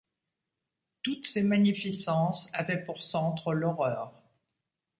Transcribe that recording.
Toutes ces magnificences avaient pour centre l’horreur.